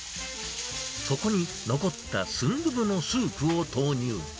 そこに残ったスンドゥブのスープを投入。